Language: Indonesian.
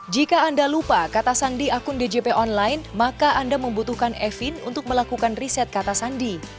jika anda lupa kata sandi akun djponline maka anda membutuhkan e filling untuk melakukan riset kata sandi